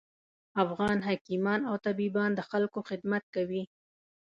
افغان حکیمان او طبیبان د خلکوخدمت کوي